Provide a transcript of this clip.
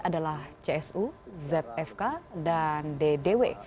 adalah csu zfk dan ddw